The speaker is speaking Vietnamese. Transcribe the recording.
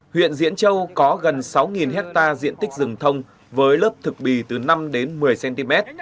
huyện diễn châu có gần sáu hectare diện tích rừng thông với lớp thực bì từ năm đến một mươi cm